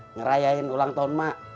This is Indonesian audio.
ngerayain ulang tahun emak